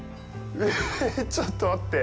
え、ちょっと待って。